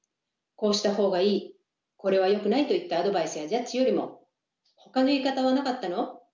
こうした方がいいこれはよくないといったアドバイスやジャッジよりもほかの言い方はなかったの？